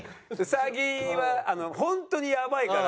兎は本当にやばいから。